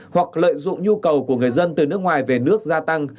hoặc lợi dụng nhu cầu của người dân từ nước ngoài về nước gia tăng